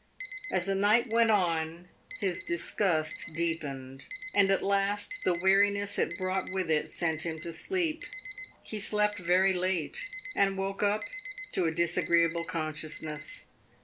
As the night went on his disgust deepened, and at last the weariness it brought with it sent him to sleep. He slept very late, and woke up to a disagreeable consciousness.